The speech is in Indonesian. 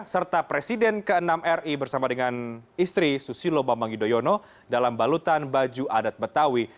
serta presiden ke enam ri bersama dengan istri susilo bambang yudhoyono dalam balutan baju adat betawi